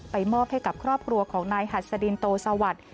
มอบให้กับครอบครัวของนายหัสดินโตสวัสดิ์